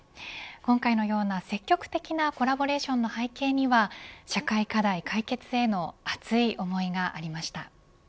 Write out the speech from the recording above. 今回のような積極的なコラボレーションの背景には社会課題解決への熱い思いがありました。